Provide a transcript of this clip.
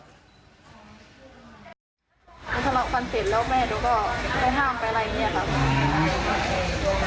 มันทะเลาะกันเสร็จแล้วแม่ดูก็ไปห้ามไปอะไรอย่างนี้ครับ